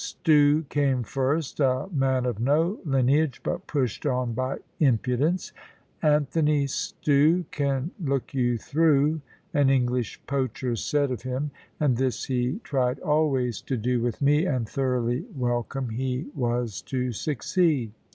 Stew came first, a man of no lineage, but pushed on by impudence; "Anthony Stew can look you through," an English poacher said of him; and this he tried always to do with me, and thoroughly welcome he was to succeed.